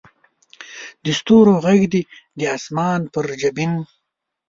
د ستورو ږغ دې د اسمان پر جبین